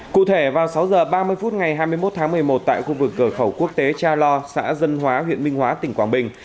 cụ thể vào sáu h ba mươi phút ngày hai mươi một tháng một mươi một tại khu vực cửa khẩu quốc tế cha lo xã dân hóa huyện minh hóa tỉnh quảng bình